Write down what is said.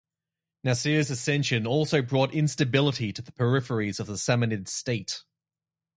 Nasr's ascension also brought instability to the peripheries of the Samanid state.